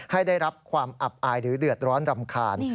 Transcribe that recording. ให้ได้รับความอับอายหรือเดือดร้อนรำคาญ